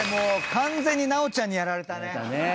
完全に直ちゃんにやられたね。